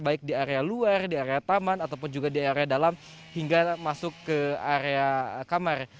baik di area luar di area taman ataupun juga di area dalam hingga masuk ke area kamar